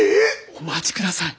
お待ちください。